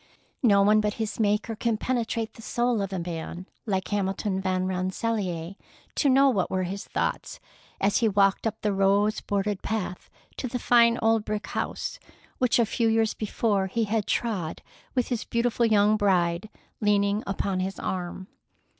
No one but his Maker can penetrate the soul of a man like Hamilton Van Rensselaer to know what were his thoughts as he walked up the rose bordered path to the fine old brick house, which a few years before he had trod with his beautiful young bride leaning upon his arm.